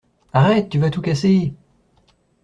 Arrête! Tu vas tout casser!